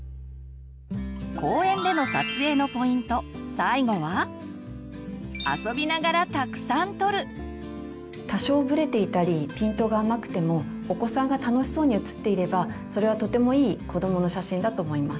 最後は多少ブレていたりピントが甘くてもお子さんが楽しそうに写っていればそれはとてもいい子どもの写真だと思います。